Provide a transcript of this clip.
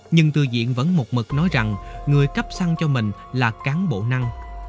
nhưng tư diện vẫn mục mực nói rằng người cắp xăng cho mình là cán bộ năng